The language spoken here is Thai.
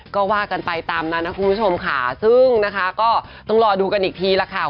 ก็ว่ากันไปตามนั้นนะคุณผู้ชมค่ะซึ่งนะคะก็ต้องรอดูกันอีกทีล่ะค่ะ